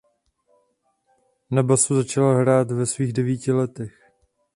Na basu začal hrát ve svých devíti letech.